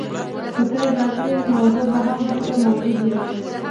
که ته راغلې نو زه به هم هلته موجود یم